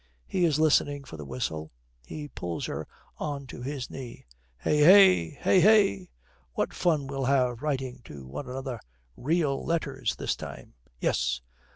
He is listening for the whistle. He pulls her on to his knee. 'Hey! hey! hey! hey!' 'What fun we'll have writing to one another! Real letters this time!' 'Yes.'